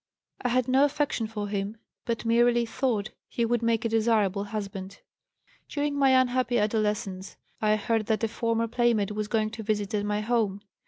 I had no affection for him, but merely thought he would make a desirable husband. "During my unhappy adolescence I heard that a former playmate was going to visit at my home.